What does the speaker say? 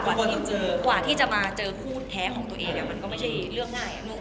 กว่าที่จะมาเจอคู่แท้ของตัวเองมันก็ไม่ใช่เรื่องง่าย